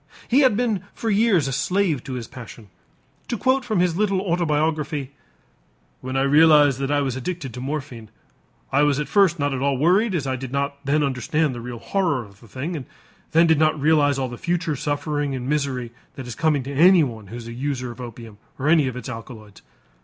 He had been for years a slave to his passion. To quote from his little autobiography: "When I realized that I was addicted to morphine, I was at first not at all worried as I did not then understand the real horror of the thing, and did not then realize all the future suffering and misery that is coming to anyone who is the user of opium or any of its alkaloids.